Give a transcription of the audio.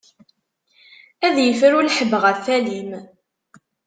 Ad ifru lḥebb ɣef alim.